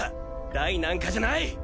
ダイなんかじゃない！